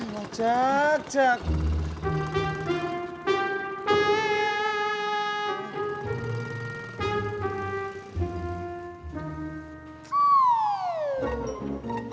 wah jack jack